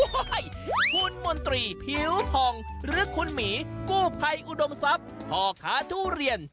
คุณมนตรีผิวผ่องหรือคุณหมีกู้ภัยอุดมทรัพย์พ่อค้าทุเรียน